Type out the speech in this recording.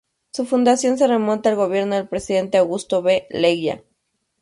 Su fundación se remonta al gobierno del presidente Augusto B. Leguía.